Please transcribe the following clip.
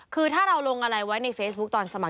คือถ้าเราลงอะไรไว้ในเฟซบุ๊คตอนสมัคร